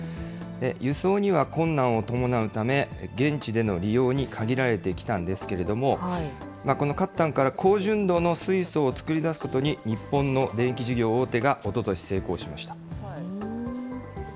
輸送には困難を伴うため、現地での利用に限られてきたんですけれども、この褐炭から高純度の水素を作り出すことに、日本の電気事業大手がおととし成功しました。